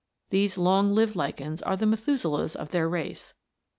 These long lived lichens are the Methuselahs of their race.